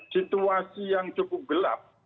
situasi yang cukup gelap